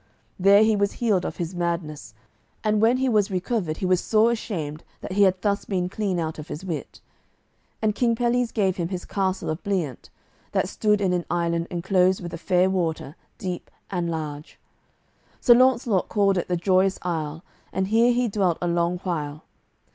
There he was healed of his madness, and when he was recovered he was sore ashamed that he had thus been clean out of his wit. And King Pelles gave him his castle of Bliant, that stood in an island enclosed with a fair water, deep and large. Sir Launcelot called it the Joyous Isle, and here he dwelt a long while.